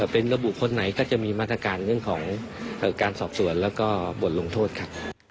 เป็นระบุคนไหนก็จะมีมาตรการเรื่องของการสอบสวนแล้วก็บทลงโทษครับ